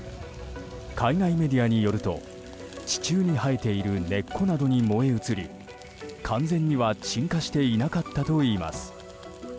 海外メディアによると地中に生えている根っこなどに燃え移り完全には鎮火していなかったといいます。